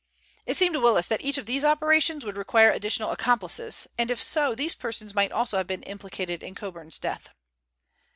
It seemed to Willis that each of these operations would require additional accomplices. And if so, these persons might also have been implicated in Coburn's death.